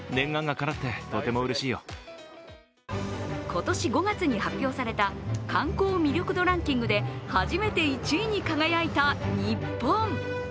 今年５月に発表された観光魅力度ランキングで初めて１位に輝いた日本。